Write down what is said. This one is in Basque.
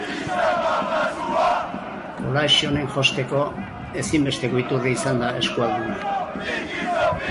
Collage honen josteko, ezinbesteko iturri izan da Eskualduna.